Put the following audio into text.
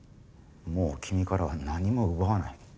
もう君からは何も奪わない。